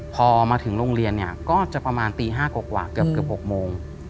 พอมาถึงโรงเรียนเนี่ยก็จะประมาณตี๕กว่าเกือบ๖โมง